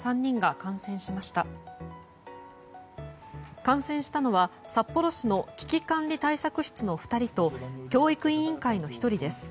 感染したのは札幌市の危機管理対策室の２人と教育委員会の１人です。